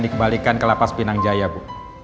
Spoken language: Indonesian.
dikembalikan ke lapas pinang jaya bu